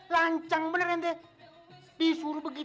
lancang bener nanti disuruh begitu